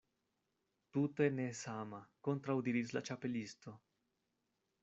"Tute ne sama," kontraŭdiris la Ĉapelisto.